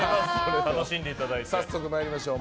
早速参りましょう。